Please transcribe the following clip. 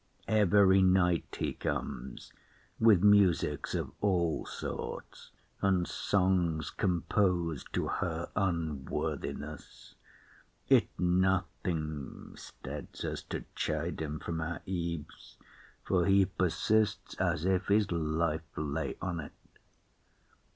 Every night he comes With musics of all sorts, and songs compos'd To her unworthiness: it nothing steads us To chide him from our eaves; for he persists As if his life lay on 't.